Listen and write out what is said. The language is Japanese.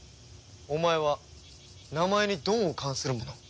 お前は名前に「ドン」を冠する者。